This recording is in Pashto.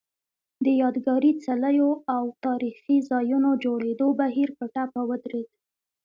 د یادګاري څلیو او تاریخي ځایونو جوړېدو بهیر په ټپه ودرېد